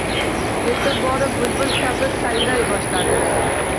Yetib borib, bulbul kabi sayray boshladi.